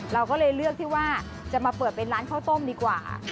เราก็เลยเลือกที่ว่าจะมาเปิดเป็นร้านข้าวต้มดีกว่า